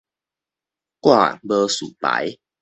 掛無事牌